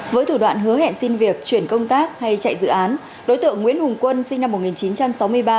với thủ đoạn hứa hẹn xin việc chuyển công tác hay chạy dự án đối tượng nguyễn hùng quân sinh năm một nghìn chín trăm sáu mươi ba